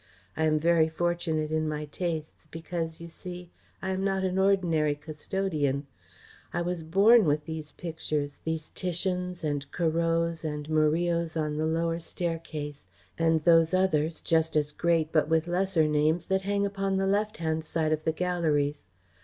I am very fortunate in my tastes, because, you see, I am not an ordinary custodian. I was born with these pictures, these Titians, and Corots and Murillos on the lower staircase, and those others, just as great but with lesser names, that hang upon the left hand side of the galleries.